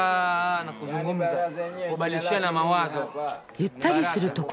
ゆったりする所。